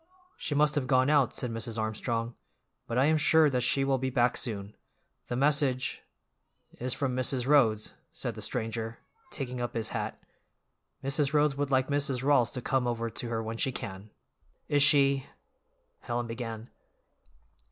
"She must have gone out," said Mrs. Armstrong, "but I am sure that she will be back soon. The message—" "Is from Mrs. Rhodes," said the stranger, taking up his hat, "Mrs. Rhodes would like Mrs. Rawls to come over to her when she can." "Is she—" Helen began.